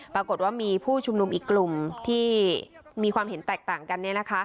ปรากฏว่ามีผู้ชุมนุมอีกกลุ่มที่มีความเห็นแตกต่างกัน